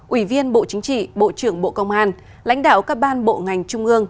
ủy viên bộ chính trị bộ trưởng bộ công an lãnh đạo các ban bộ ngành trung ương